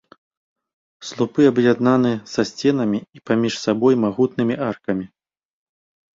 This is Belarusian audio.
Слупы аб'яднаны са сценамі і паміж сабой магутнымі аркамі.